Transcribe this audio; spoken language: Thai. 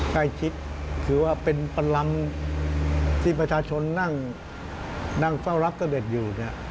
ใกล้คิดคือว่าเป็นปรรำที่ประชาชนนั่งเฝ้ารักเจ้าเด็จอยู่